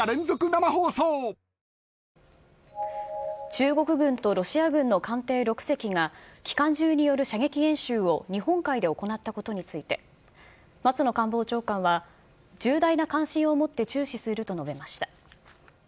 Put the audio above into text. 中国軍とロシア軍の艦艇６隻が、機関銃による射撃演習を日本海で行ったことについて、松野官房長官は、重大な関心を持って注視すると述べました。